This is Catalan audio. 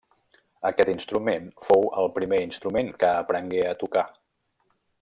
Aquest instrument fou el primer instrument que aprengué a tocar.